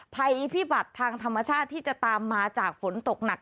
ภัยพิบัติทางธรรมชาติที่จะตามมาจากฝนตกหนัก